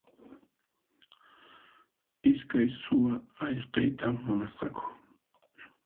Iskay suwa ayqiyta munasqaku.